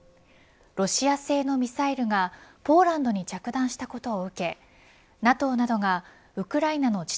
ロシア製のミサイルがポーランドに着弾したことを受けＮＡＴＯなどがウクライナの地